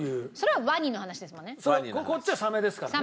こっちはサメですからね。